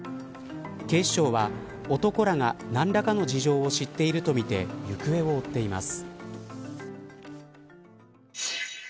警視庁は、男らが何らかの事情を知っているとみて行方を追っています。